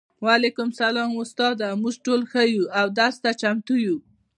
وعلیکم السلام استاده موږ ټول ښه یو او درس ته چمتو یو